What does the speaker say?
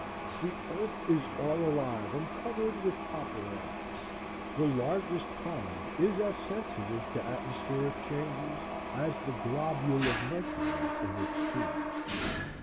The earth is all alive and covered with papillæ. The largest pond is as sensitive to atmospheric changes as the globule of mercury in its tube.